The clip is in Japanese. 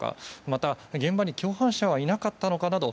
また、現場に共犯者はいなかったのかなど